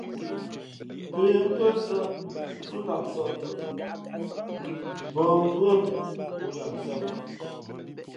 Pə̌ mbʉ́ά zᾱ zúlamsāk tαʼ, mbǒh mbʉ́ά ghʉ ghoōlamsāk.